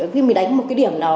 khi mình đánh một cái điểm đó